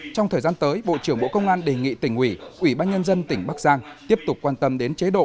trong thời gian tới bộ trưởng bộ công an đề nghị tỉnh ủy ủy ban nhân dân tỉnh bắc giang tiếp tục quan tâm đến chế độ